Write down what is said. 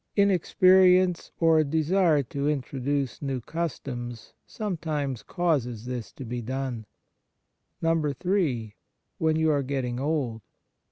Inexperience, or a desire to introduce new customs, sometimes causes this to be done. (3) When you are getting old.